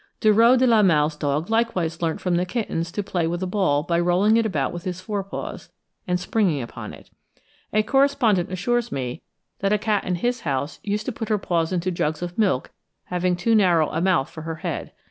Dureau de la Malle's dog likewise learnt from the kittens to play with a ball by rolling it about with his fore paws, and springing on it. A correspondent assures me that a cat in his house used to put her paws into jugs of milk having too narrow a mouth for her head.